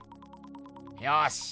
よし！